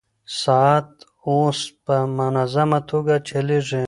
ساعت اوس په منظمه توګه چلېږي.